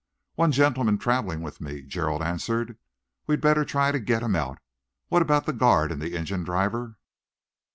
"One gentleman travelling with me," Gerald answered. "We'd better try to get him out. What about the guard and engine driver?"